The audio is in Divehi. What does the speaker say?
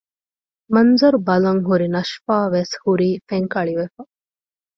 މަންޒަރު ބަލަން ހުރި ނަޝްފާ ވެސް ހުރީ ފެންކަޅިވެފަ